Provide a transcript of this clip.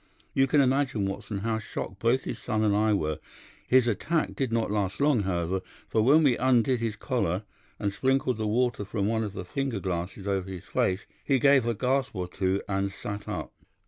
"You can imagine, Watson, how shocked both his son and I were. His attack did not last long, however, for when we undid his collar, and sprinkled the water from one of the finger glasses over his face, he gave a gasp or two and sat up.